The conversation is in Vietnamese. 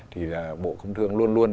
thì bộ công thương luôn luôn